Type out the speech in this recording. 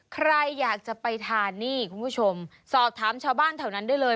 ใครอยากจะไปทานนี่คุณผู้ชมสอบถามชาวบ้านแถวนั้นได้เลย